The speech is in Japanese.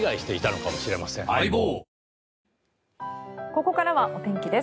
ここからはお天気です。